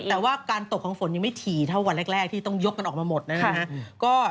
แต่ว่าการตกของฝนยังไม่ถี่เท่าวันแรกที่ต้องยกกันออกมาหมดนะครับ